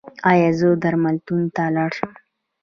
ایا زه درملتون ته لاړ شم؟